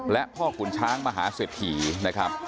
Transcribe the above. และพ่อขุนช้างมหาเศรษฐีนะครับ